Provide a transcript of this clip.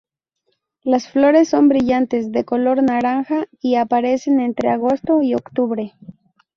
Las flores son brillantes de color naranja y aparecen entre agosto y octubre.